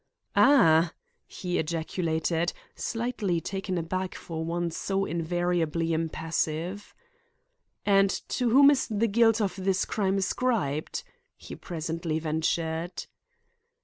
"Ah!" he ejaculated, slightly taken aback for one so invariably impassive. "And to whom is the guilt of this crime ascribed?" he presently ventured.